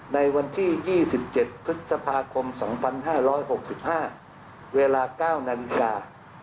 ในวันที่ยี่สิบเจ็ดพฤษภาคมสองพันห้าร้อยหกสิบห้าเวลาเก้านาฬิกา